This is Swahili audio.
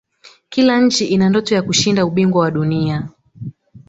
kila nchi ina ndoto ya kushinda ubingwa wa dunia